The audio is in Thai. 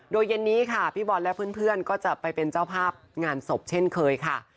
โดยเย็นนี้ค่ะพี่บอลและเพื่อนก็จะไปเป็นเจ้าภาพงานศพเช่นเคยค่ะ